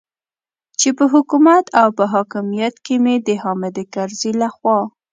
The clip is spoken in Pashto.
چې په حکومت او په حاکمیت کې مې د حامد کرزي لخوا.